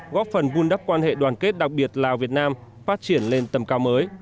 góp phần vun đắp quan hệ đoàn kết đặc biệt lào việt nam phát triển lên tầm cao mới